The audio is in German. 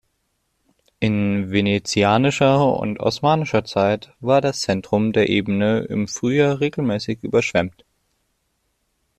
In venezianischer und osmanischer Zeit war das Zentrum der Ebene im Frühjahr regelmäßig überschwemmt.